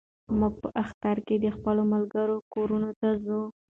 موږ په اختر کې د خپلو ملګرو کورونو ته ځو.